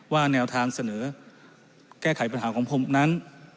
แนวทางเสนอแก้ไขปัญหาของผมนั้น